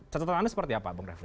catatan anda seperti apa bung refli